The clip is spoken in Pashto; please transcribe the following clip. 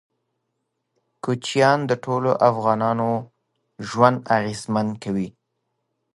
کوچیان د ټولو افغانانو ژوند اغېزمن کوي.